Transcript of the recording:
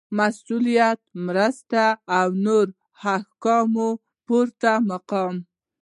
مصلحت مرسله او نورو احکامو پورته مقام